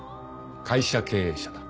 会社経営者だ。